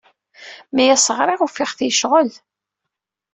Mi as-ɣriɣ, ufiɣ-t yecɣel.